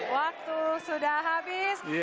waktu sudah habis